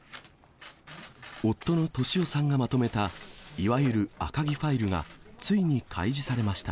夫の俊夫さんがまとめたいわゆる赤木ファイルが、ついに開示されました。